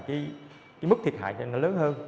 cái mức thiệt hại nó lớn hơn